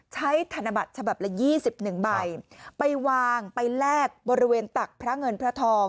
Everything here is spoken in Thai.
ธนบัตรฉบับละ๒๑ใบไปวางไปแลกบริเวณตักพระเงินพระทอง